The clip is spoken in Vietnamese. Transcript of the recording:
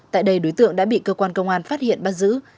tại đây đối tượng đã bị cơ quan công an phát hiện bắt giữ